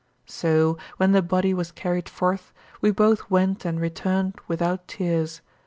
32. So, when the body was carried forth, we both went and returned without tears.